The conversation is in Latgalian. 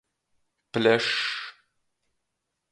Plešs.